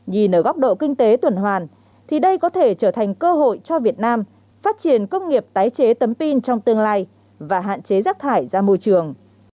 nhìn ở góc độ kinh tế tuần hoàn thì đây có thể trở thành cơ hội cho việt nam phát triển công nghiệp tái chế tấm pin trong tương lai và hạn chế rác thải ra môi trường